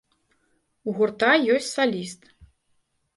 У гурта ёсць саліст.